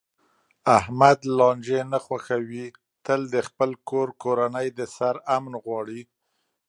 احمد لانجې نه خوښوي، تل د خپل کور کورنۍ د سر امن غواړي.